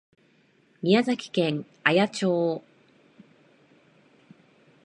宮崎県綾町